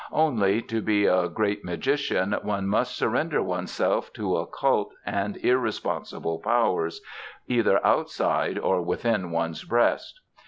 Only, to be a great magician one must surrender oneself to occult and irresponsible powers, either outside or within one's breast.